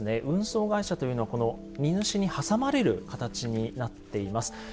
運送会社というのはこの荷主に挟まれる形になっています。